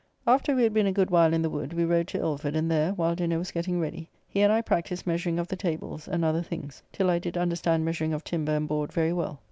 After we had been a good while in the wood, we rode to Illford, and there, while dinner was getting ready, he and I practised measuring of the tables and other things till I did understand measuring of timber and board very well.